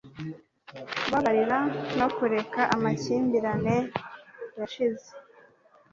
kubabarira no kureka amakimbirane yashize